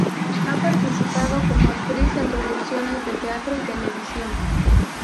Ha participado como actriz en producciones de teatro y televisión.